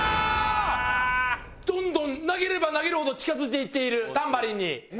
どんどん投げれば投げるほど近づいていっているタンバリンに。